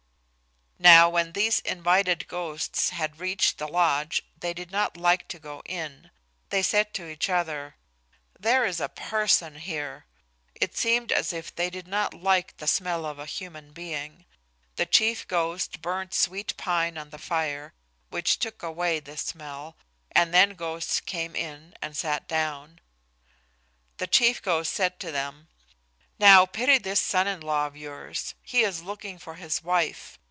Now when these invited ghosts had reached the lodge they did not like to go in. They said to each other, "There is a person here"; it seemed as if they did not like the smell of a human being. The chief ghost burned sweet pine on the fire, which took away this smell, and then the ghosts came in and sat down. The chief ghost said to them, "Now pity this son in law of yours. He is looking for his wife.